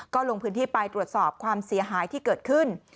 ก็ลงพื้นที่ไปตรวจสอบความเสียหายที่เกิดขึ้น